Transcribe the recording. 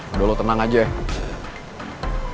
aduh lo tenang aja ya